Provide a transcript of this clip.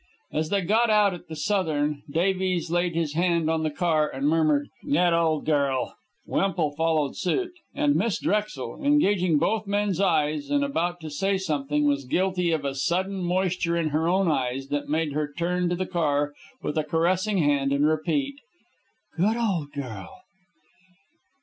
As they got out at the Southern, Davies laid his hand on the car and murmured, "Good old girl!" Wemple followed suit. And Miss Drexel, engaging both men's eyes and about to say something, was guilty of a sudden moisture in her own eyes that made her turn to the car with a caressing hand and repeat, "Good old girl!"